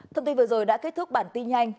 thông tin vừa rồi đã kết thúc bản tin nhanh